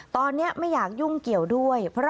ตอนนี้ไม่อยากยุ่งเกี่ยวด้วย